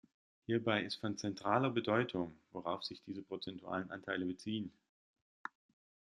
Hierbei ist von zentraler Bedeutung, worauf sich diese prozentualen Anteile beziehen.